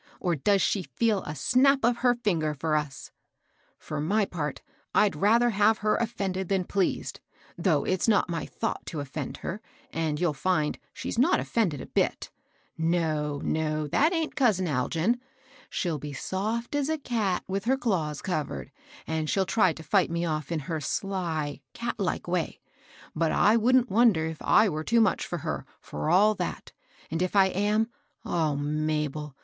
or does she feel a snap of her fin ger for us ? For my part, I'd rather have her of fended than pleased; though it's not my thought to ofiend her, and you'll find she's not offended a bit. No, no I that aint cousin Algin. She'll be soft as a cat with her claws covered, and she'll try to fight me off^ in her sly, cat like way; but I wouldn't wonder if I were too much for her, for all that. And if I am, O Mabel